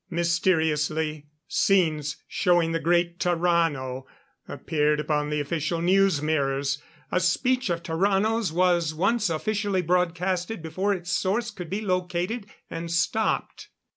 Mysteriously, scenes showing the great Tarrano appeared upon the official news mirrors; a speech of Tarrano's was once officially broadcasted before its source could be located and stopped.